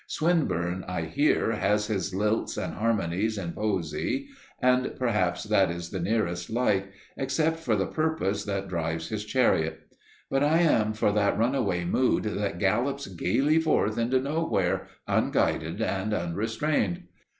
Swinburne, I hear, has his lilts and harmonies in poesy, and perhaps that is the nearest like, except for the Purpose that drives his chariot; but I am for that runaway mood that gallops gayly forth into Nowhere, unguided and unrestrained.